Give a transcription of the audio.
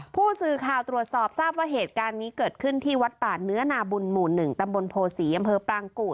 ผู้สื่อข่าวตรวจสอบทราบว่าเหตุการณ์นี้เกิดขึ้นที่วัดป่าเนื้อนาบุญหมู่หนึ่ง